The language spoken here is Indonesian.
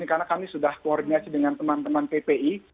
karena kami sudah koordinasi dengan teman teman ppi